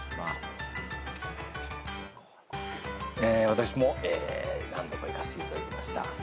私も何度か行かせていただきました。